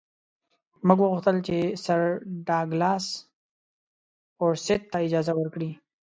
موږ وغوښتل چې سر ډاګلاس فورسیت ته اجازه ورکړي.